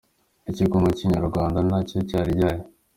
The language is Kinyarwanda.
Icyo kunywa cya kinyarwanda nacyo cyari gihari.